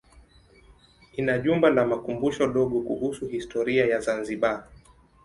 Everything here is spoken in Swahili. Ina jumba la makumbusho dogo kuhusu historia ya Zanzibar.